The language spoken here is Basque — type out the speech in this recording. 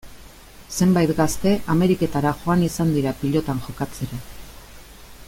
Zenbait gazte Ameriketara joan izan dira pilotan jokatzera.